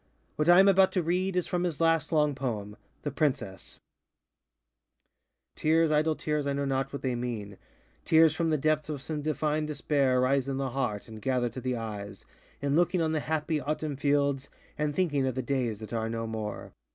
What I am about to read is from his last long poem, ŌĆ£The PrincessŌĆØ:ŌĆö Tears, idle tears, I know not what they mean, Tears from the depth of some divine despair Rise in the heart, and gather to the eyes, In looking on the happy Autumn fields, And thinking of the days that are no more.